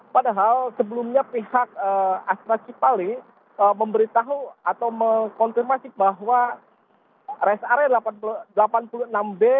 padahal sebelumnya pihak astra cipali memberitahu atau mengkonfirmasi bahwa rest area delapan puluh enam b